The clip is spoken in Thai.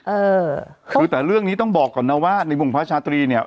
เออคือแต่เรื่องนี้ต้องบอกก่อนนะว่าในวงพระชาตรีเนี่ย